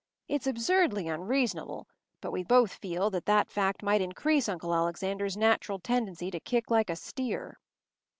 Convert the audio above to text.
It’s absurdly unreasonable, but we both feel that that fact might increase Uncle Alexander’s natural tendency to kick like a steer.